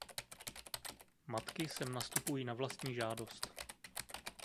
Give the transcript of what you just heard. Matky sem nastupují na vlastní žádost.